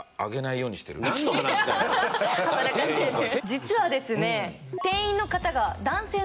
実はですね。